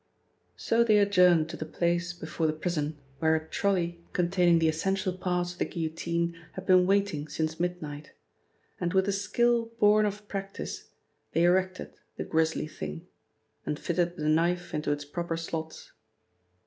So they adjourned to the place before the prison where a trolley containing the essential parts of the guillotine had been waiting since midnight, and with a skill born of practice they erected the grisly thing, and fitted the knife into its proper slots.